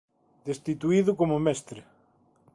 Destituído como mestre.